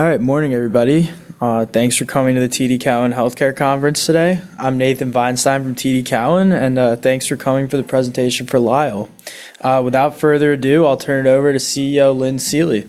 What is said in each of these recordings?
All right. Morning, everybody. Thanks for coming to the TD Cowen Healthcare Conference today. I'm Nathan Weinstein from TD Cowen, and thanks for coming for the presentation for Lyell. Without further ado, I'll turn it over to CEO Lynn Seely.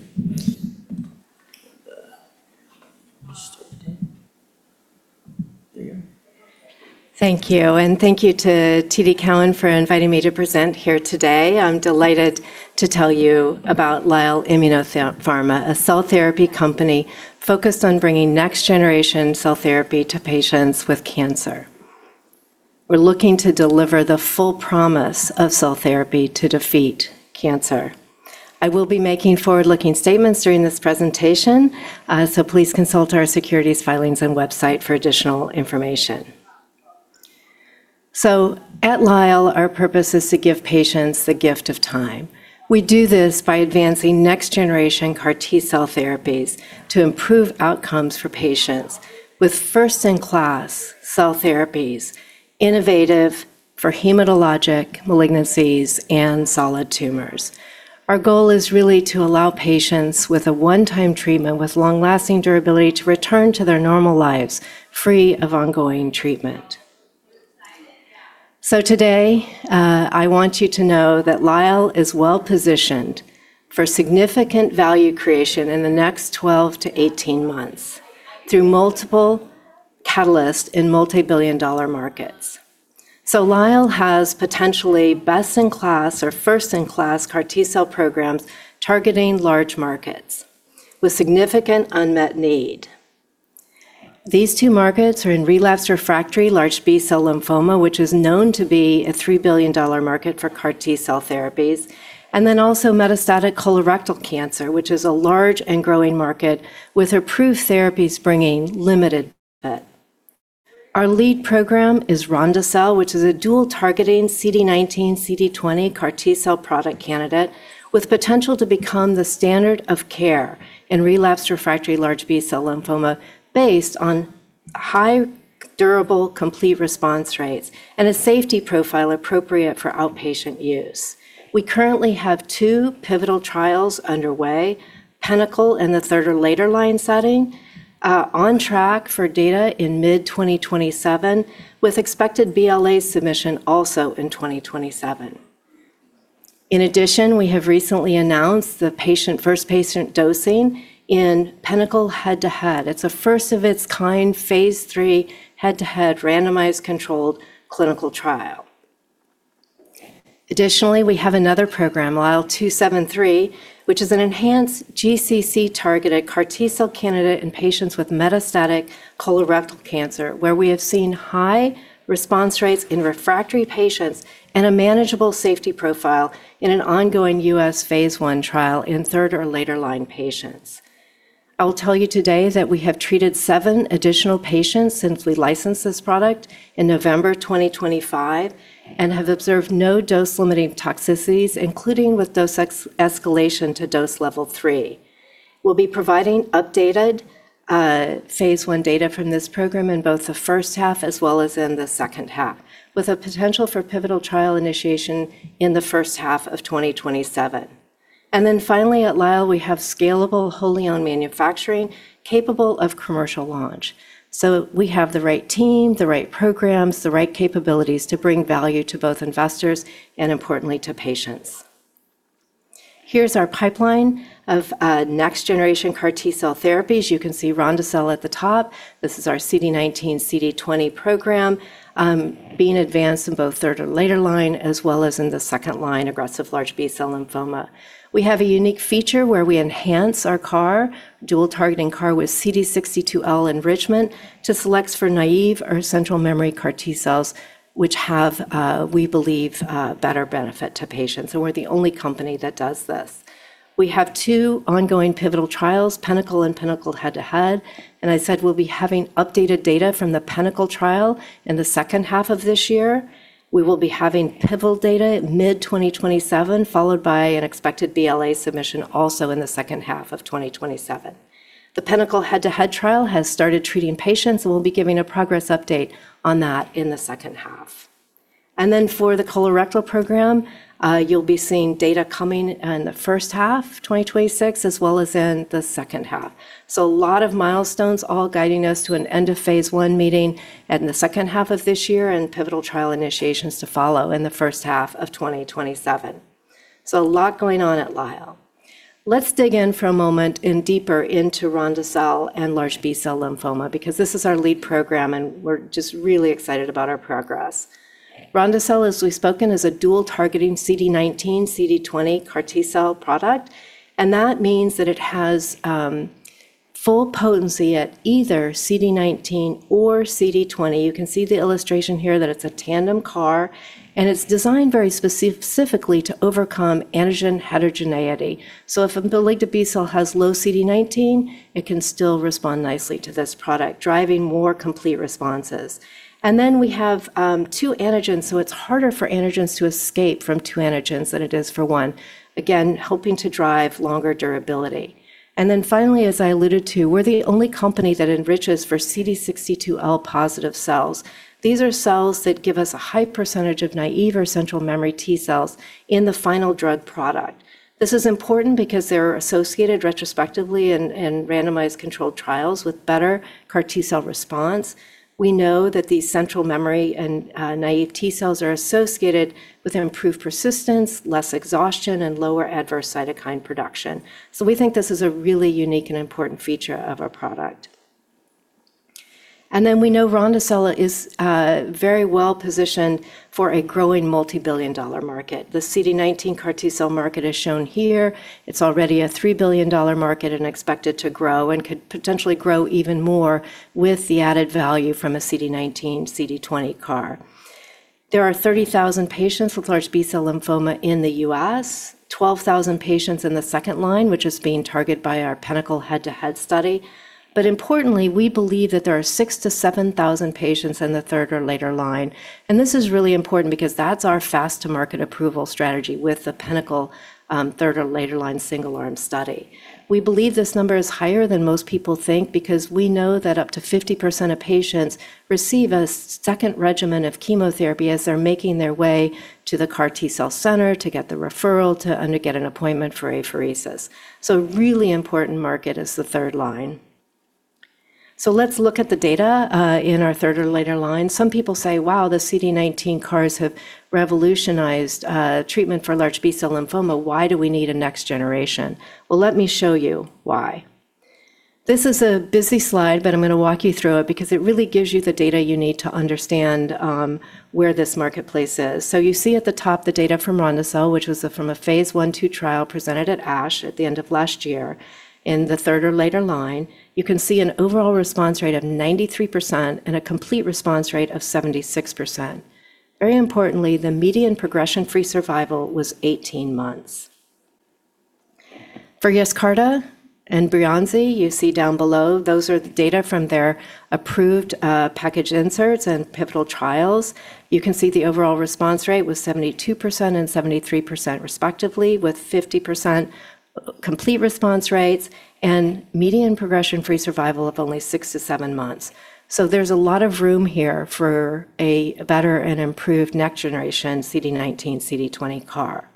Thank you. Thank you to TD Cowen for inviting me to present here today. I'm delighted to tell you about Lyell Immunopharma, a cell therapy company focused on bringing next-generation cell therapy to patients with cancer. We're looking to deliver the full promise of cell therapy to defeat cancer. I will be making forward-looking statements during this presentation, so please consult our securities filings and website for additional information. At Lyell, our purpose is to give patients the gift of time. We do this by advancing next-generation CAR T-cell therapies to improve outcomes for patients with first-in-class cell therapies, innovative for hematologic malignancies and solid tumors. Our goal is really to allow patients with a one-time treatment with long-lasting durability to return to their normal lives free of ongoing treatment. Today, I want you to know that Lyell is well-positioned for significant value creation in the next 12 to 18 months through multiple catalysts in multi-billion dollar markets. Lyell has potentially best-in-class or first-in-class CAR T-cell programs targeting large markets with significant unmet need. These two markets are in relapsed refractory large B-cell lymphoma, which is known to be a $3 billion market for CAR T-cell therapies, and then also metastatic colorectal cancer, which is a large and growing market with approved therapies bringing limited benefit. Our lead program is Rondo-cel, which is a dual targeting CD19/CD20 CAR T-cell product candidate with potential to become the standard of care in relapsed refractory large B-cell lymphoma based on high durable, complete response rates and a safety profile appropriate for outpatient use. We currently have two pivotal trials underway, Pinnacle in the third or later line setting, on track for data in mid-2027, with expected BLA submission also in 2027. We have recently announced first patient dosing in Pinnacle-H2H. It's a first of its kind phase 3 head-to-head randomized controlled clinical trial. We have another program, LYL273, which is an enhanced GCC-targeted CAR T-cell candidate in patients with metastatic colorectal cancer, where we have seen high response rates in refractory patients and a manageable safety profile in an ongoing US phase 1 trial in third or later line patients. I will tell you today that we have treated seven additional patients since we licensed this product in November 2025 and have observed no dose-limiting toxicities, including with dose escalation to dose level 3. We'll be providing updated phase 1 data from this program in both the first half as well as in the second half, with a potential for pivotal trial initiation in the first half of 2027. Finally, at Lyell, we have scalable wholly-owned manufacturing capable of commercial launch. We have the right team, the right programs, the right capabilities to bring value to both investors and importantly to patients. Here's our pipeline of next-generation CAR T-cell therapies. You can see Rondo-cel at the top. This is our CD19/CD20 program being advanced in both third or later line as well as in the second line, aggressive large B-cell lymphoma. We have a unique feature where we enhance our CAR, dual targeting CAR with CD62L enrichment to select for naive or central memory CAR T-cells, which have, we believe, better benefit to patients, and we're the only company that does this. We have two ongoing pivotal trials, Pinnacle and Pinnacle head-to-head. I said we'll be having updated data from the Pinnacle trial in the second half of this year. We will be having pivotal data mid-2027, followed by an expected BLA submission also in the second half of 2027. The Pinnacle head-to-head trial has started treating patients, and we'll be giving a progress update on that in the second half. For the colorectal program, you'll be seeing data coming in the first half, 2026, as well as in the second half. A lot of milestones all guiding us to an end of phase 1 meeting in the second half of this year and pivotal trial initiations to follow in the first half of 2027. A lot going on at Lyell. Dig in for a moment and deeper into Rondo-cel and large B-cell lymphoma because this is our lead program, and we're just really excited about our progress. Rondo-cel, as we've spoken, is a dual targeting CD19/CD20 CAR T-cell product, and that means that it has full potency at either CD19 or CD20. You can see the illustration here that it's a tandem CAR, and it's designed very specifically to overcome antigen heterogeneity. If a malignant B-cell has low CD19, it can still respond nicely to this product, driving more complete responses. We have two antigens, it's harder for antigens to escape from two antigens than it is for one, again, helping to drive longer durability. Finally, as I alluded to, we're the only company that enriches for CD62L positive cells. These are cells that give us a high percentage of naive or central memory T-cells in the final drug product. This is important because they're associated retrospectively in randomized controlled trials with better CAR T-cell response. We know that these central memory and naive T-cells are associated with improved persistence, less exhaustion, and lower adverse cytokine production. We think this is a really unique and important feature of our product. We know Rondo-cel is very well-positioned for a growing multi-billion dollar market. The CD19 CAR T-cell market is shown here. It's already a $3 billion market and expected to grow and could potentially grow even more with the added value from a CD19, CD20 CAR. There are 30,000 patients with large B-cell lymphoma in the US, 12,000 patients in the second line, which is being targeted by our Pinnacle head-to-head study. Importantly, we believe that there are 6,000-7,000 patients in the third or later line, and this is really important because that's our fast-to-market approval strategy with the Pinnacle third or later line single-arm study. We believe this number is higher than most people think because we know that up to 50% of patients receive a second regimen of chemotherapy as they're making their way to the CAR T-cell center to get the referral to get an appointment for apheresis. A really important market is the third line. Let's look at the data in our third or later line. Some people say, "Wow, the CD19 CARs have revolutionized treatment for large B-cell lymphoma. Why do we need a next generation?" Well, let me show you why. This is a busy slide, I'm gonna walk you through it because it really gives you the data you need to understand where this marketplace is. You see at the top the data from Rondo-cel, which was from a phase 1/2 trial presented at ASH at the end of last year in the third or later line. You can see an overall response rate of 93% and a complete response rate of 76%. Very importantly, the median progression-free survival was 18 months. For YESCARTA and BREYANZI, you see down below, those are the data from their approved package inserts and pivotal trials. You can see the overall response rate was 72% and 73% respectively, with 50% complete response rates and median progression-free survival of only 6-7 months. There's a lot of room here for a better and improved next generation CD19, CD20 CAR.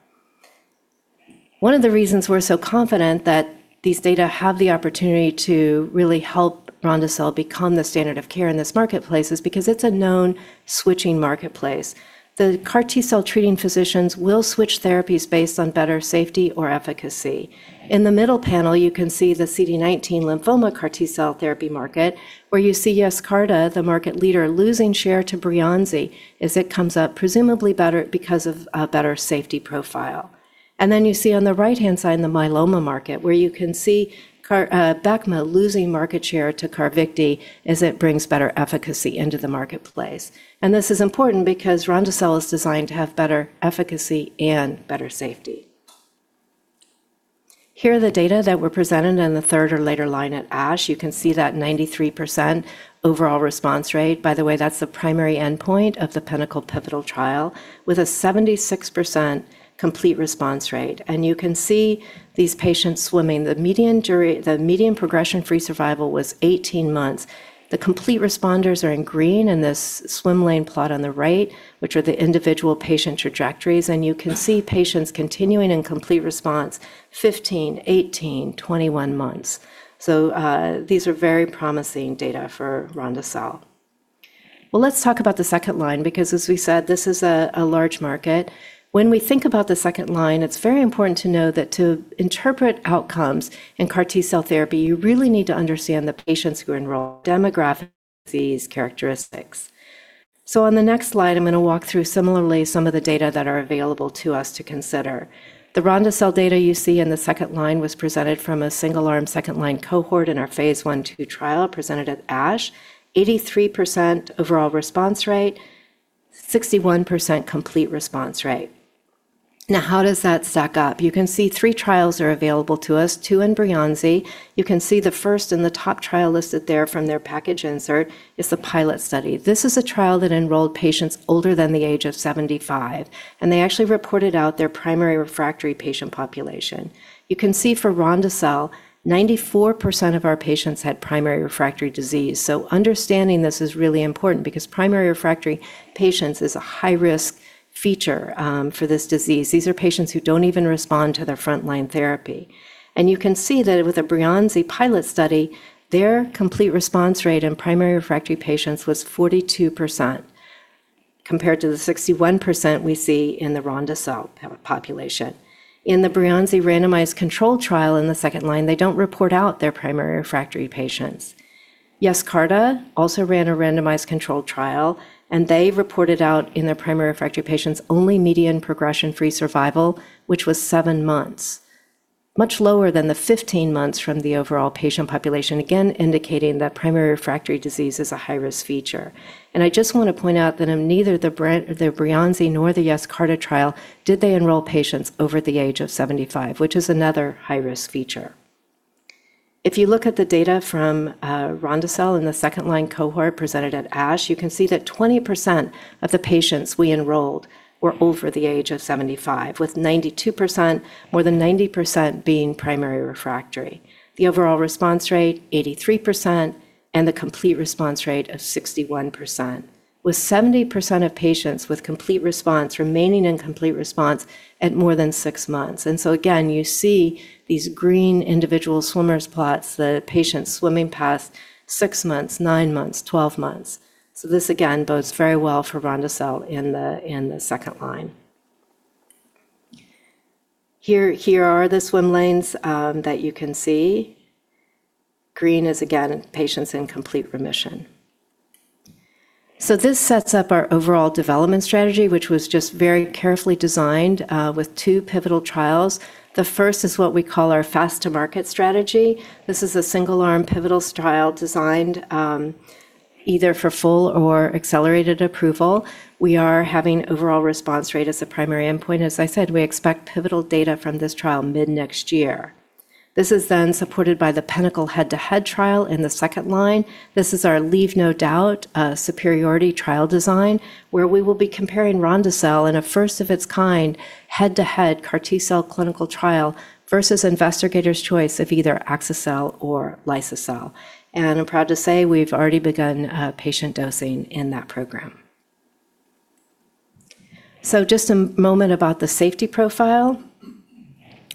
One of the reasons we're so confident that these data have the opportunity to really help Rondo-cel become the standard of care in this marketplace is because it's a known switching marketplace. The CAR T-cell-treating physicians will switch therapies based on better safety or efficacy. In the middle panel, you can see the CD19 lymphoma CAR T-cell therapy market, where you see YESCARTA, the market leader, losing share to BREYANZI as it comes up, presumably better because of a better safety profile. Then you see on the right-hand side the myeloma market, where you can see CAR Abecma losing market share to CARVYKTI as it brings better efficacy into the marketplace. This is important because Rondo-cel is designed to have better efficacy and better safety. Here are the data that were presented in the third or later line at ASH. You can see that 93% overall response rate. By the way, that's the primary endpoint of the Pinnacle pivotal trial with a 76% complete response rate. You can see these patients swimming. The median progression-free survival was 18 months. The complete responders are in green in this swim lane plot on the right, which are the individual patient trajectories, and you can see patients continuing in complete response 15, 18, 21 months. These are very promising data for Rondo-cel. Well, let's talk about the second line because, as we said, this is a large market. When we think about the second line, it's very important to know that to interpret outcomes in CAR T-cell therapy, you really need to understand the patients who are enrolled, demographics, disease characteristics. On the next slide, I'm gonna walk through similarly some of the data that are available to us to consider. The Rondo-cel data you see in the second line was presented from a single-arm second-line cohort in our phase 1/2 trial presented at ASH. 83% overall response rate, 61% complete response rate. Now, how does that stack up? You can see three trials are available to us, two in BREYANZI. You can see the first and the top trial listed there from their package insert is the pilot study. This is a trial that enrolled patients older than the age of 75, and they actually reported out their primary refractory patient population. You can see for Rondo-cel, 94% of our patients had primary refractory disease. Understanding this is really important because primary refractory patients is a high-risk feature for this disease. These are patients who don't even respond to their front-line therapy. You can see that with the BREYANZI pilot study, their complete response rate in primary refractory patients was 42%, compared to the 61% we see in the Rondo-cel population. In the BREYANZI randomized controlled trial in the second line, they don't report out their primary refractory patients. YESCARTA also ran a randomized controlled trial, they reported out in their primary refractory patients only median progression-free survival, which was 7 months, much lower than the 15 months from the overall patient population, again indicating that primary refractory disease is a high-risk feature. I just wanna point out that in neither the BREYANZI nor the YESCARTA trial did they enroll patients over the age of 75, which is another high-risk feature. If you look at the data from Rondo-cel in the second-line cohort presented at ASH, you can see that 20% of the patients we enrolled were over the age of 75, with 92%, more than 90% being primary refractory. The overall response rate, 83%, and the complete response rate of 61%, with 70% of patients with complete response remaining in complete response at more than 6 months. Again, you see these green individual swimmers plots, the patients swimming past 6 months, 9 months, 12 months. This again bodes very well for Rondo-cel in the second line. Here are the swim lanes that you can see. Green is again patients in complete remission. This sets up our overall development strategy, which was just very carefully designed with 2 pivotal trials. The first is what we call our fast-to-market strategy. This is a single-arm pivotal trial designed either for full or accelerated approval. We are having overall response rate as a primary endpoint. As I said, we expect pivotal data from this trial mid-next year. This is then supported by the Pinnacle-H2H trial in the second line. This is our leave no doubt superiority trial design, where we will be comparing Rondo-cel in a first of its kind head-to-head CAR T-cell clinical trial versus investigator's choice of either axi-cel or liso-cel. I'm proud to say we've already begun patient dosing in that program. Just a moment about the safety profile.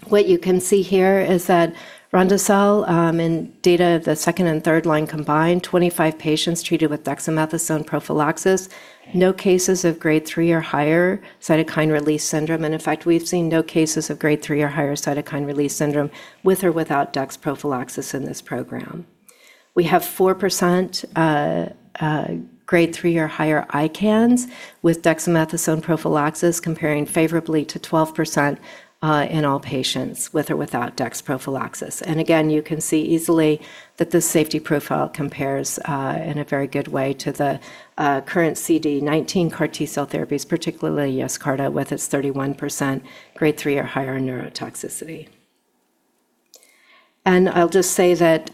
What you can see here is that Rondo-cel, in data of the second and third line combined, 25 patients treated with dexamethasone prophylaxis, no cases of grade 3 or higher cytokine release syndrome. In fact, we've seen no cases of grade 3 or higher cytokine release syndrome with or without dex prophylaxis in this program. We have 4% grade 3 or higher ICANS with dexamethasone prophylaxis comparing favorably to 12% in all patients with or without dex prophylaxis. Again, you can see easily that the safety profile compares in a very good way to the current CD19 CAR T-cell therapies, particularly YESCARTA with its 31% grade three or higher neurotoxicity. I'll just say that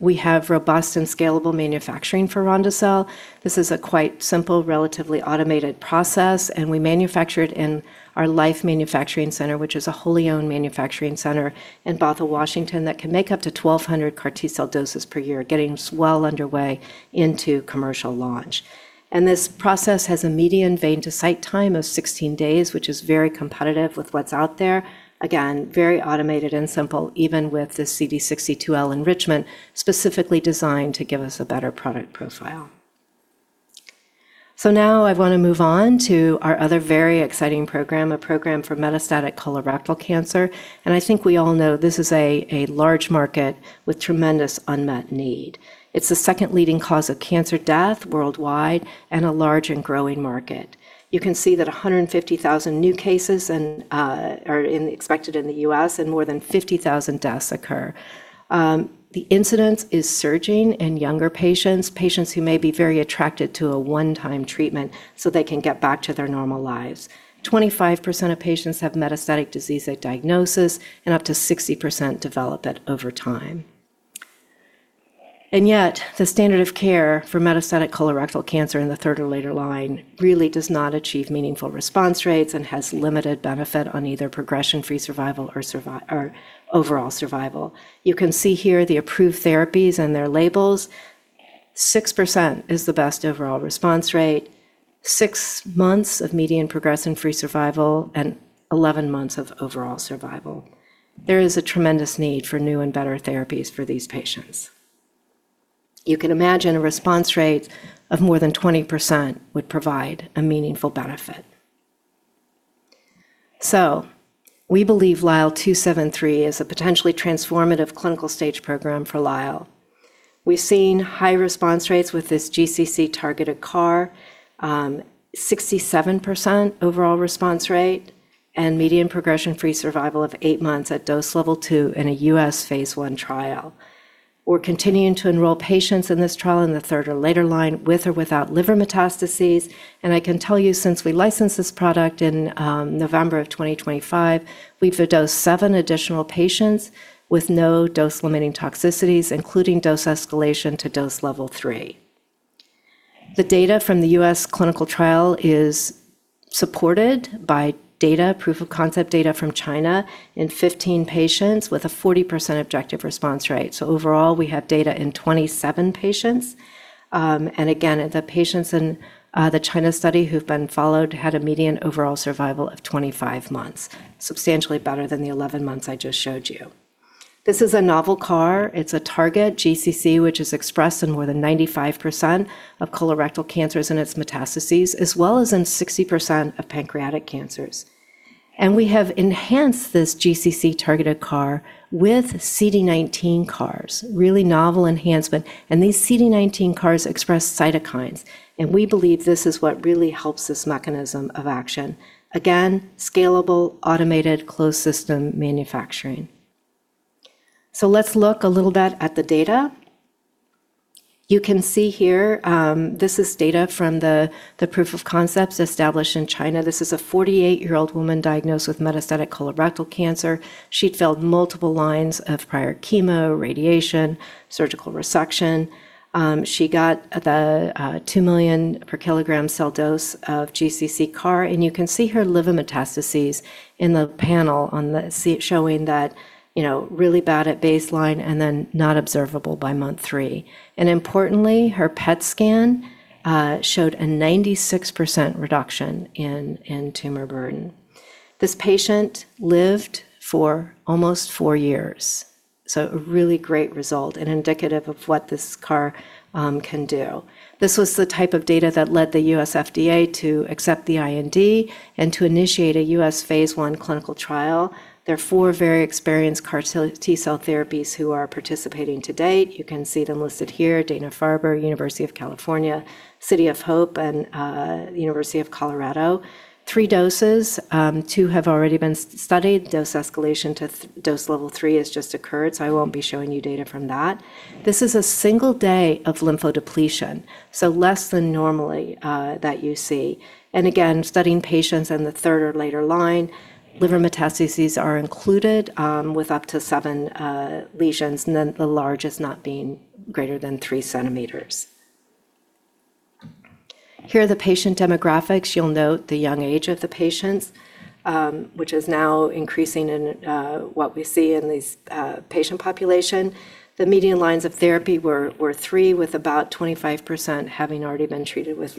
we have robust and scalable manufacturing for Rondo-cel. This is a quite simple, relatively automated process, and we manufacture it in our LyFE Manufacturing Center, which is a wholly owned manufacturing center in Bothell, Washington, that can make up to 1,200 CAR T-cell doses per year, getting us well underway into commercial launch. This process has a median vein-to-site time of 16 days, which is very competitive with what's out there. Again, very automated and simple, even with the CD62L enrichment specifically designed to give us a better product profile. Now I wanna move on to our other very exciting program, a program for metastatic colorectal cancer. I think we all know this is a large market with tremendous unmet need. It's the second leading cause of cancer death worldwide and a large and growing market. You can see that 150,000 new cases and expected in the US, and more than 50,000 deaths occur. The incidence is surging in younger patients who may be very attracted to a one-time treatment so they can get back to their normal lives. 25% of patients have metastatic disease at diagnosis, and up to 60% develop it over time. Yet, the standard of care for metastatic colorectal cancer in the 3rd or later line really does not achieve meaningful response rates and has limited benefit on either progression-free survival or overall survival. You can see here the approved therapies and their labels. 6% is the best overall response rate, 6 months of median progression-free survival, and 11 months of overall survival. There is a tremendous need for new and better therapies for these patients. You can imagine a response rate of more than 20% would provide a meaningful benefit. We believe LYL273 is a potentially transformative clinical stage program for Lyell. We've seen high response rates with this GCC-targeted CAR, 67% overall response rate and median progression-free survival of 8 months at dose level 2 in a US Phase 1 trial. We're continuing to enroll patients in this trial in the third or later line with or without liver metastases, and I can tell you since we licensed this product in November of 2025, we've dosed 7 additional patients with no dose-limiting toxicities, including dose escalation to dose level 3. The data from the US clinical trial is supported by data, proof of concept data from China in 15 patients with a 40% objective response rate. Overall, we have data in 27 patients. Again, the patients in the China study who've been followed had a median overall survival of 25 months, substantially better than the 11 months I just showed you. This is a novel CAR. It's a target GCC, which is expressed in more than 95% of colorectal cancers and its metastases, as well as in 60% of pancreatic cancers. We have enhanced this GCC-targeted CAR with CD19 CARs, really novel enhancement. These CD19 CARs express cytokines, and we believe this is what really helps this mechanism of action. Again, scalable, automated, closed system manufacturing. Let's look a little bit at the data. You can see here, this is data from the proof of concepts established in China. This is a 48-year-old woman diagnosed with metastatic colorectal cancer. She'd failed multiple lines of prior chemo, radiation, surgical resection. She got the 2 million per kilogram cell dose of GCC CAR, and you can see her liver metastases in the panel on the showing that, you know, really bad at baseline and then not observable by month 3. Importantly, her PET scan showed a 96% reduction in tumor burden. This patient lived for almost four years. A really great result and indicative of what this CAR can do. This was the type of data that led the US FDA to accept the IND and to initiate a US phase 1 clinical trial. There are four very experienced CAR T-cell therapies who are participating to date. You can see them listed here, Dana-Farber, University of California, City of Hope, and University of Colorado. Three doses, two have already been studied. Dose escalation to dose level three has just occurred, so I won't be showing you data from that. This is a single day of lymphodepletion, so less than normally that you see. Again, studying patients in the third or later line, liver metastases are included, with up to seven lesions, and then the largest not being greater than three centimeters. Here are the patient demographics. You'll note the young age of the patients, which is now increasing in what we see in these patient population. The median lines of therapy were three, with about 25% having already been treated with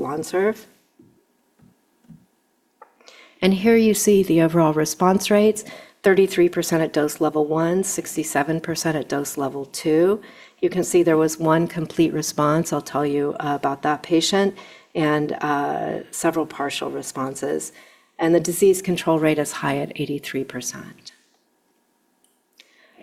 Lonsurf. Here you see the overall response rates, 33% at dose level 1, 67% at dose level 2. You can see there was 1 complete response, I'll tell you about that patient, and several partial responses. The disease control rate is high at 83%.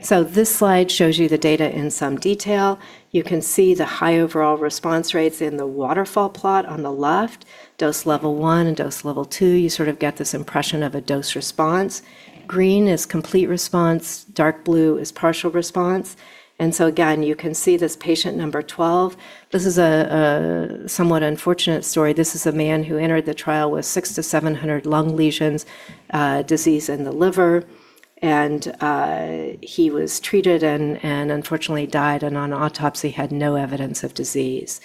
This slide shows you the data in some detail. You can see the high overall response rates in the waterfall plot on the left, dose level 1 and dose level 2. You sort of get this impression of a dose response. Green is complete response, dark blue is partial response. Again, you can see this patient 12. This is a somewhat unfortunate story. This is a man who entered the trial with 600-700 lung lesions, disease in the liver, and he was treated and unfortunately died, and on autopsy had no evidence of disease.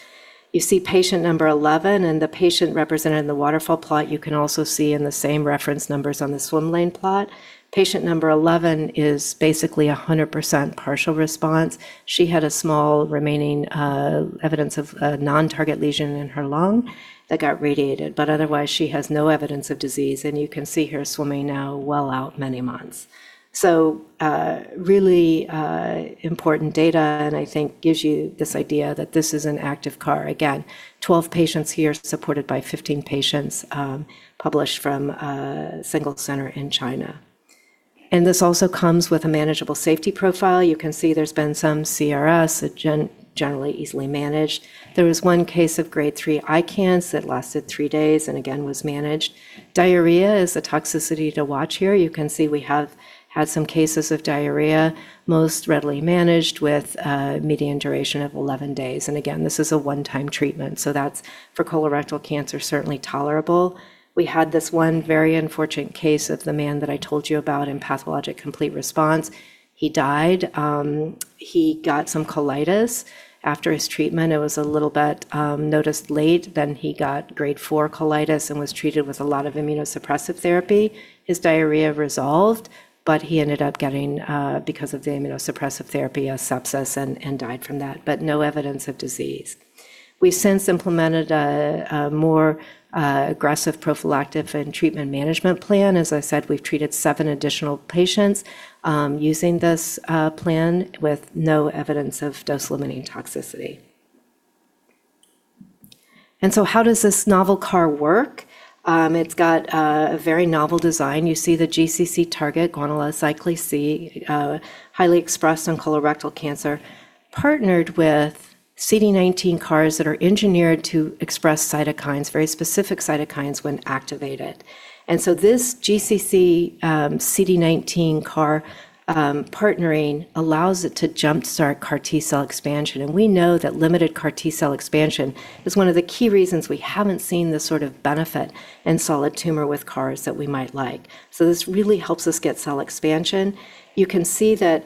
Patient 11 and the patient represented in the waterfall plot, you can also see in the same reference numbers on the swim lane plot. Patient 11 is basically 100% partial response. She had a small remaining evidence of a non-target lesion in her lung that got radiated, but otherwise she has no evidence of disease, and you can see her swimming now well out many months. Really important data and I think gives you this idea that this is an active CAR. Again, 12 patients here supported by 15 patients, published from a single center in China. This also comes with a manageable safety profile. You can see there's been some CRS, generally easily managed. There was 1 case of grade 3 ICANS that lasted 3 days and again was managed. Diarrhea is a toxicity to watch here. You can see we have had some cases of diarrhea, most readily managed with median duration of 11 days. Again, this is a 1-time treatment, so that's for colorectal cancer, certainly tolerable. We had this one very unfortunate case of the man that I told you about in pathologic complete response. He died. He got some colitis after his treatment. It was a little bit noticed late. He got grade 4 colitis and was treated with a lot of immunosuppressive therapy. His diarrhea resolved, but he ended up getting, because of the immunosuppressive therapy, a sepsis and died from that, but no evidence of disease. We've since implemented a more aggressive prophylactic and treatment management plan. As I said, we've treated seven additional patients, using this plan with no evidence of dose-limiting toxicity. How does this novel CAR work? It's got a very novel design. You see the GCC target, guanylyl cyclase C, highly expressed on colorectal cancer, partnered with CD19 CARs that are engineered to express cytokines, very specific cytokines when activated. This GCC, CD19 CAR, partnering allows it to jumpstart CAR T cell expansion. We know that limited CAR T-cell expansion is one of the key reasons we haven't seen the sort of benefit in solid tumor with CARs that we might like. This really helps us get cell expansion. You can see that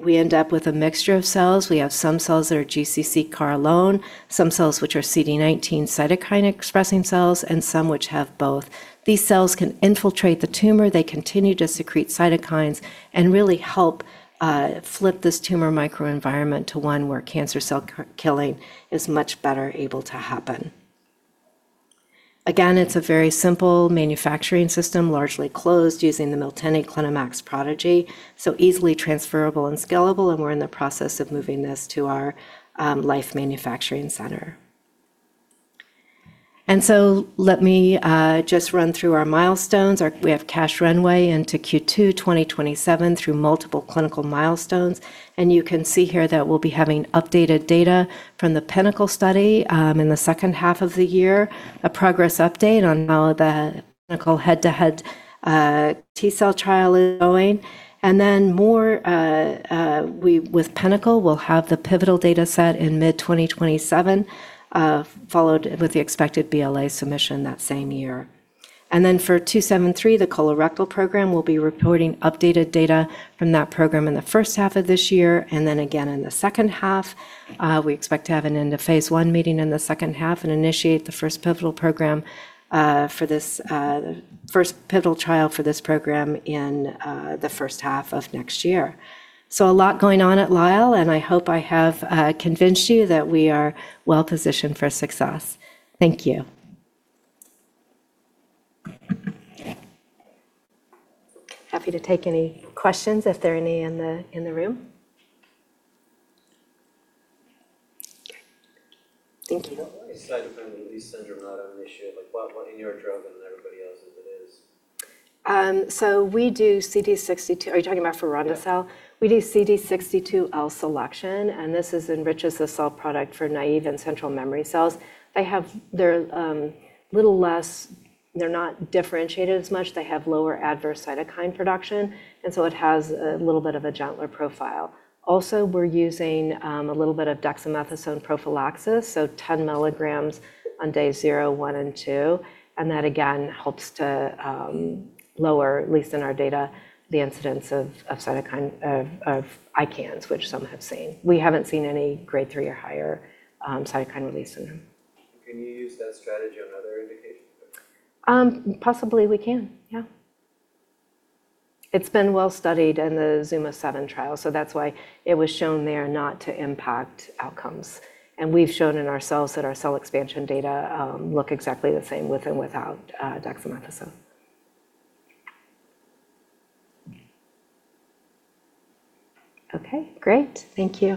we end up with a mixture of cells. We have some cells that are GCC CAR alone, some cells which are CD19 cytokine expressing cells, and some which have both. These cells can infiltrate the tumor. They continue to secrete cytokines and really help flip this tumor microenvironment to one where cancer cell killing is much better able to happen. Again, it's a very simple manufacturing system, largely closed using the Miltenyi CliniMACS Prodigy, so easily transferable and scalable, and we're in the process of moving this to our LyFE Manufacturing Center. Let me just run through our milestones. We have cash runway into Q2 2027 through multiple clinical milestones. You can see here that we'll be having updated data from the Pinnacle study in the second half of the year, a progress update on how the Pinnacle-H2H T-cell trial is going. More with Pinnacle, we'll have the pivotal data set in mid-2027, followed with the expected BLA submission that same year. For LYL273, the colorectal program, we'll be reporting updated data from that program in the first half of this year, and then again in the second half. We expect to have an end of phase 1 meeting in the second half and initiate the first pivotal program for this first pivotal trial for this program in the first half of next year. A lot going on at Lyell, and I hope I have convinced you that we are well-positioned for success. Thank you. Happy to take any questions if there are any in the, in the room. Okay. Thank you. Why is cytokine release syndrome not an issue? Like, why in your drug and in everybody else's it is? we do CD62L... Are you talking about for Rondo-cel? Yeah. We do CD62L selection. This enriches the cell product for naive and central memory cells. They're not differentiated as much. They have lower adverse cytokine production, and so it has a little bit of a gentler profile. We're using a little bit of dexamethasone prophylaxis, so 10 milligrams on day 0, 1, and 2, and that again helps to lower, at least in our data, the incidence of ICANS, which some have seen. We haven't seen any grade 3 or higher cytokine release syndrome. Can you use that strategy on other indications? Possibly we can, yeah. It's been well studied in the ZUMA-7 trial, so that's why it was shown there not to impact outcomes. We've shown in our cells that our cell expansion data look exactly the same with and without dexamethasone. Okay, great. Thank you.